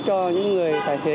cho những người tài xế